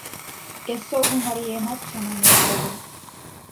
Эсогыл мариемат чаманен огыл.